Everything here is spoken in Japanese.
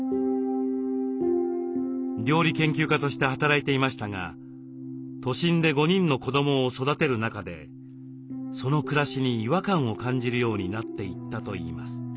料理研究家として働いていましたが都心で５人の子どもを育てる中でその暮らしに違和感を感じるようになっていったといいます。